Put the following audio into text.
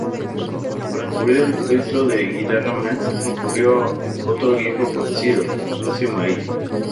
Para cubrir el puesto de guitarra Max recurrió a otro viejo conocido, Lucio Maia.